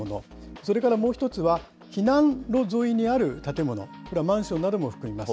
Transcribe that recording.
それからもう１つは、避難路沿いにある建物、これはマンションなども含みます。